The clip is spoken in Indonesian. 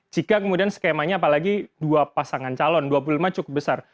jika kemudian skemanya apalagi dua pasangan calon dua puluh lima cukup besar